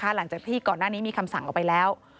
หลังจากที่ก่อนหน้านี้มีคำสั่งออกไปแล้ว